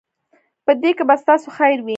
په دې کې به ستاسو خیر وي.